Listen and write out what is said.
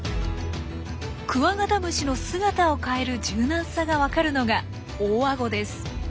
クワガタムシの姿を変える柔軟さがわかるのが大アゴです。